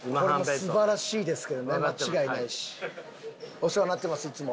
お世話になってますいつも。